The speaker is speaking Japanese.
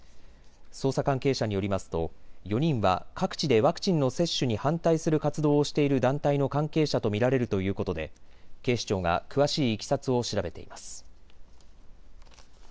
捜査関係者によりますと４人は各地でワクチンの接種に反対する活動をしている団体の関係者と見られるということで警視庁が詳しいいきさつを調べています。